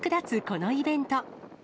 このイベント。